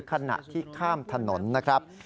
ขณะที่ข้ามถนนนะครับ